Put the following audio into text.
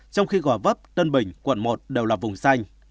trong khi gò vấp tân bình quận một đều là vùng xanh